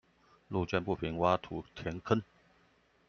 路見不平，挖土填坑